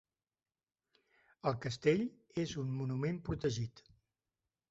El castell és un monument protegit.